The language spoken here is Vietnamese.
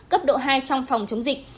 cấp độ hai trong phòng chống dịch